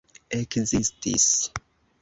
ekzistis